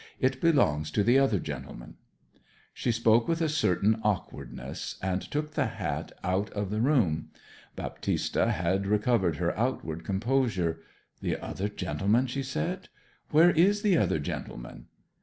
'It belongs to the other gentleman.' She spoke with a certain awkwardness, and took the hat out of the room. Baptista had recovered her outward composure. 'The other gentleman?' she said. 'Where is the other gentleman?'